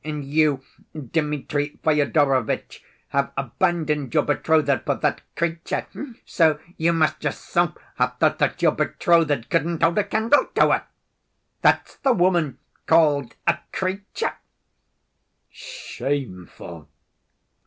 And you, Dmitri Fyodorovitch, have abandoned your betrothed for that 'creature,' so you must yourself have thought that your betrothed couldn't hold a candle to her. That's the woman called a 'creature'!" "Shameful!"